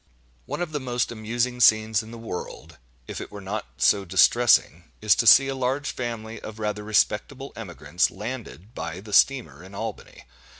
One of the most amusing scenes in the world, if it were not so distressing, is to see a large family of rather respectable emigrants landed by the steamer in Albany.